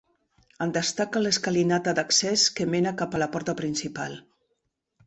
En destaca l'escalinata d'accés que mena cap a la porta principal.